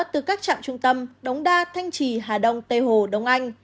từ các trạm trung tâm đống đa thanh trì hà đông tây hồ đông anh